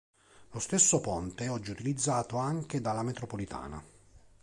Lo stesso ponte è oggi utilizzato anche dalla metropolitana.